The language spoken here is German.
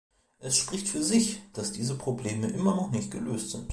Es spricht für sich, dass diese Probleme immer noch nicht gelöst sind.